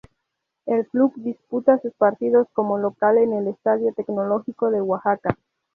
El club disputa sus partidos como local en el Estadio Tecnológico de Oaxaca.